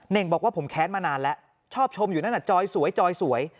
่งบอกว่าผมแค้นมานานแล้วชอบชมอยู่นั่นจอยสวยจอยสวย